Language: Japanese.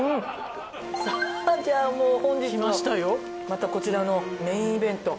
またこちらのメインイベント。